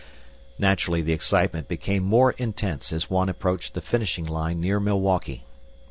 Naturally the excitement became more intense as one approached the finishing line near Milwaukee.